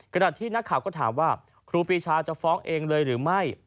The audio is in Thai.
ขณะที่นักข่าวก็ถามว่าครูปีชาจะฟ้องเองเลยหรือไม่